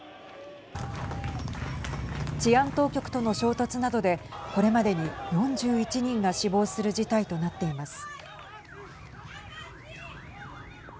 治安当局との衝突などでこれまでに４１人が死亡する事態となっています。